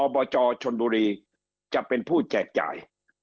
บจชนบุรีจะเป็นผู้แจกจ่าย